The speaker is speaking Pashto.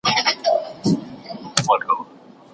موږ د شین چای په څښلو بوخت یو.